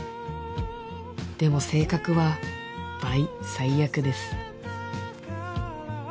でも性格は倍最悪です